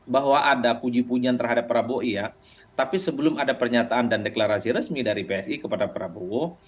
bahwa ada puji pujian terhadap prabowo iya tapi sebelum ada pernyataan dan deklarasi resmi dari psi kepada prabowo